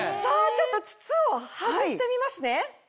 ちょっと筒を外してみますね。